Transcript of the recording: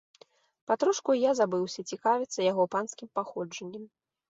Патрошку і я забыўся цікавіцца яго панскім паходжаннем.